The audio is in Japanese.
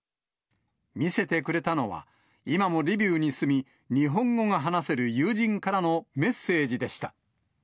見せてくれたのは、今もリビウに住み、日本語が話せる友人からのメッセージでした。